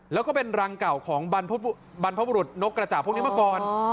แล้วก็เป็นรังเก่าของบรรพบุรุษนกกระจ่าบพวกนี้มาก่อน